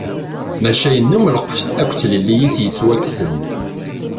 Maca yennum lqefs akked tlelli i as-yettwakksen.